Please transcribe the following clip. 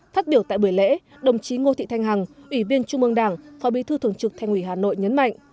phát biểu tại buổi lễ đồng chí ngô thị thanh hằng ủy viên trung mương đảng phó bí thư thường trực thành ủy hà nội nhấn mạnh